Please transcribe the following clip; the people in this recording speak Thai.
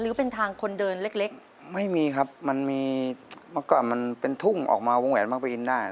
หรือเป็นทางคนเดินเล็กเล็กไม่มีครับมันมีเมื่อก่อนมันเป็นทุ่งออกมาวงแหวนมากไปอินได้